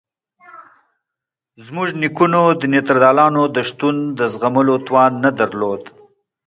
زموږ نیکونو د نیاندرتالانو د شتون د زغملو توان نه درلود.